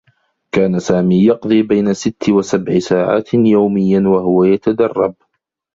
كان سامي يقضي بين ستّ و سبع ساعات يوميّا و هو يتدرّب.